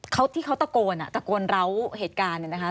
เขาที่เขาตะโกนอ่ะตะโกนเหล้าเหตุการณ์เนี่ยนะคะ